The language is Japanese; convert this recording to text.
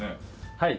はい。